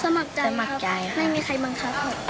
สมัครใจครับไม่มีใครบ้างครับครับ